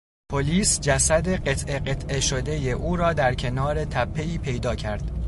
پلیس جسد قطعه قطعه شدهی او را در کنار تپهای پیدا کرد.